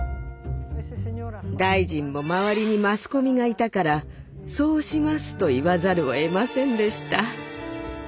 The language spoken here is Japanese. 大臣も周りにマスコミがいたから「そうします」と言わざるをえませんでした。